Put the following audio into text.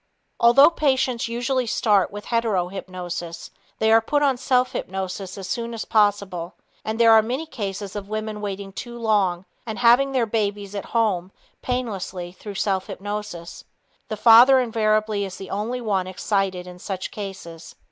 Although patients usually start with hetero hypnosis, they are put on self hypnosis as soon as possible, and there are many cases of women waiting too long and having their babies at home painlessly through self hypnosis. The father invariably is the only one excited in such cases.